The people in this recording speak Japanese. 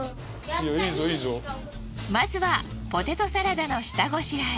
まずはポテトサラダの下ごしらえ。